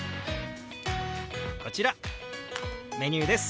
こちらメニューです。